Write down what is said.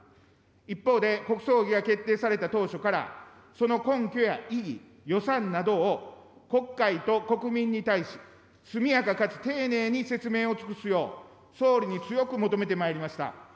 一方で、国葬儀が決定された当初から、その根拠や意義、予算などを国会と国民に対し、速やかかつ丁寧に説明を尽くすよう総理に強く求めてまいりました。